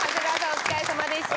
お疲れさまでした。